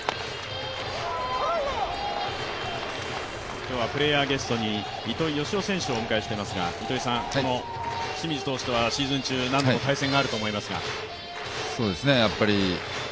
今日はプレーヤーゲストに糸井嘉男選手をお迎えしていますが、清水投手とはシーズン中、何度も対戦があると思いますが。